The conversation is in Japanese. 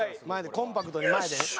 「コンパクトに前で」